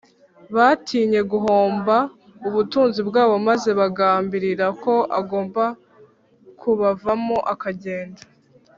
batinye guhomba ubutunzi bwabo maze bagambirira ko agomba kubavamo akagenda